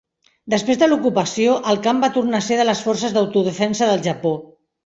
Després de l'ocupació, el camp va tornar a ser de les Forces d'Autodefensa del Japó.